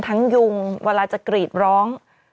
ยุงเวลาจะกรีดร้อง